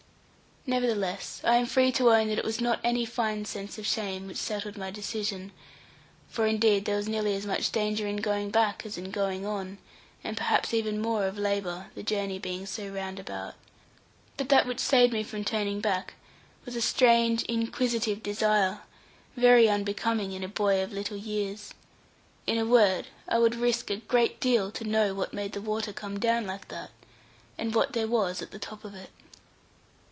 Nevertheless, I am free to own that it was not any fine sense of shame which settled my decision; for indeed there was nearly as much of danger in going back as in going on, and perhaps even more of labour, the journey being so roundabout. But that which saved me from turning back was a strange inquisitive desire, very unbecoming in a boy of little years; in a word, I would risk a great deal to know what made the water come down like that, and what there was at the top of it.